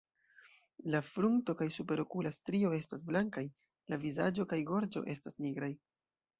La frunto kaj superokula strio estas blankaj; la vizaĝo kaj gorĝo estas nigraj.